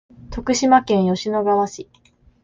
徳島県吉野川市